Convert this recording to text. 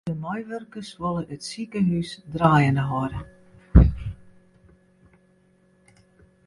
De meiwurkers wolle it sikehús draaiende hâlde.